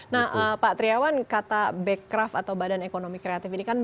nah pak triawan kata bekraf atau badan ekonomi kreatif ini kan